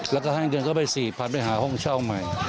แล้วก็ให้เงินเข้าไป๔๐๐ไปหาห้องเช่าใหม่